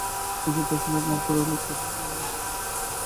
ঈশ্বর-দর্শনই একমাত্র লক্ষ্য, শক্তিলাভ নয়।